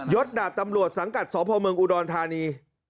ยศดรรดิ์ตำรวจสังกัดสองพาวเมืองอุดรธานี